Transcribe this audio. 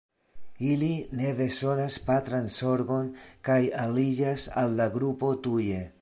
Ili ne bezonas patran zorgon kaj aliĝas al la grupo tuje.